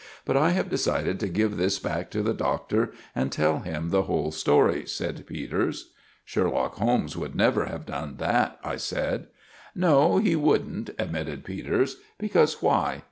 But I have decided to give this back to the Doctor and tell him the whole story," said Peters. "Sherlock Holmes would never have done that," I said. "No, he wouldn't," admitted Peters. "Because why?